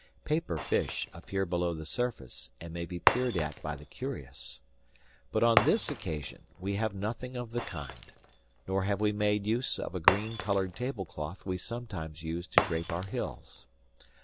Paper fish appear below the surface and may be peered at by the curious. But on this occasion we have nothing of the kind, nor have we made use of a green colored tablecloth we sometimes use to drape our hills.